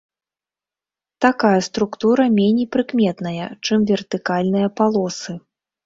Такая структура меней прыкметная, чым вертыкальныя палосы.